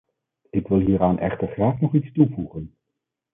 Ik wil hieraan echter graag nog iets toevoegen.